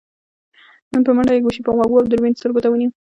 په منډه يې ګوشي په غوږو او دوربين سترګو ته ونيو.